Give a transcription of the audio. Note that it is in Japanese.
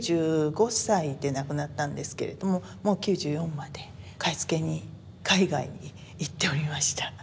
９５歳で亡くなったんですけれどももう９４まで買い付けに海外に行っておりました。